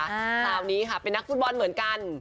คราวนี้ค่ะเป็นนักฟุตบอลเหมือนกัน